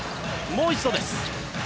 もう一度です。